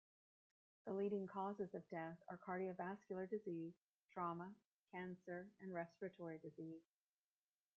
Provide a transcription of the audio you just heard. The leading causes of death are cardiovascular disease, trauma, cancer, and respiratory disease.